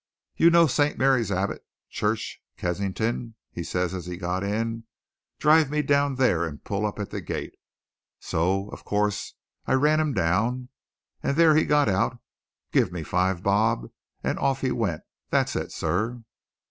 'You know St. Mary Abbot's Church, Kensington?' he says as he got in. 'Drive me down there and pull up at the gate.' So, of course, I ran him down, and there he got out, give me five bob, and off he went. That's it, sir."